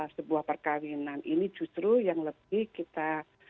sebuah perkawinan ini justru yang lebih kita